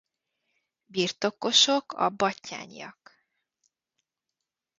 Birtokosok a Batthyányak.